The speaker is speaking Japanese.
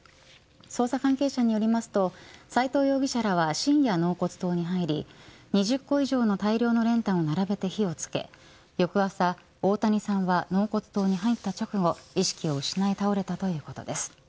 捜査関係者によりますと斎藤容疑者らは深夜、納骨堂に入り２０個以上の大量の練炭を並べて火を付け翌朝、大谷さんは納骨堂に入った直後意識を失い倒れたということです。